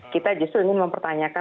kita justru ingin mempertanyakan